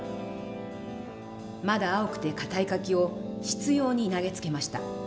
まだ青くてかたい柿を執ように投げつけました。